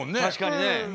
確かにね。